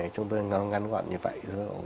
chúng tôi ngăn gọn như vậy